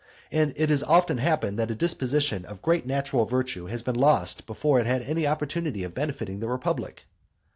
And it has often happened that a disposition of great natural virtue has been lost before it had any opportunity of benefiting the republic.